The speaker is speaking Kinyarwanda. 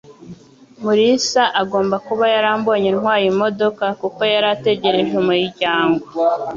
Mulisa agomba kuba yarambonye ntwaye imodoka kuko yari ategereje umuryango.